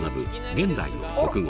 「現代の国語」。